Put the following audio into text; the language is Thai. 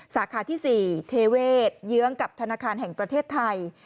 สาขาที่๔เทเวศเยื้องกับธนาคารแห่งประเทศไทย